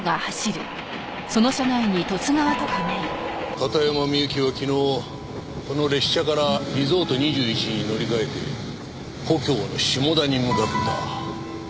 片山みゆきは昨日この列車からリゾート２１に乗り換えて故郷の下田に向かった。